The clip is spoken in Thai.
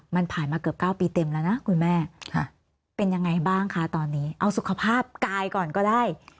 มันผ่านมาเกือบ๙ปีเต็มแล้วนะคุณแม่เป็นยังไงบ้างคะตอนนี้เอาสุขภาพกายก่อนก็ได้